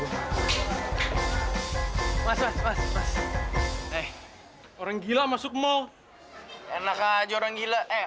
orang gila masuk mau enak aja orang gila eh